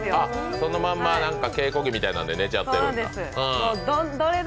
そのまま稽古着みたいなので寝てるんだ。